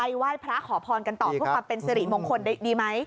ไหว้พระขอพรกันต่อเพื่อความเป็นสิริมงคลดีไหม